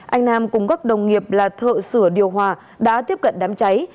anh nam cùng các đồng nghiệp là thợ sửa điều hòa đã tiếp cận đám cháy